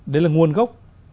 đấy là nguồn gốc